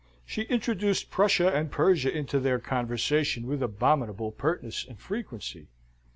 She introduced Prussia and Persia into their conversation with abominable pertness and frequency.